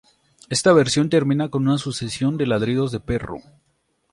Esta versión termina con una sucesión ladridos de perro.